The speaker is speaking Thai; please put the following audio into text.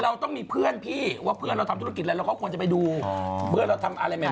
เราต้องมีเพื่อนพี่ว่าเพื่อนเราทำธุรกิจอะไรเราก็ควรจะไปดูเพื่อนเราทำอะไรใหม่